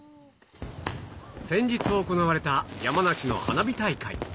先日行われた山梨の花火大会。